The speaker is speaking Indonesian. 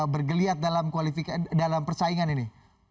bergeliat dalam persaingan ini